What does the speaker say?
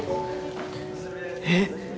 えっ？